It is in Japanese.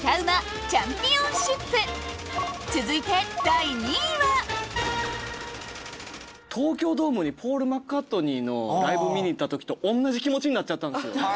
続いて第２位は東京ドームにポール・マッカートニーのライブ見に行った時と同じ気持ちになっちゃったんですよ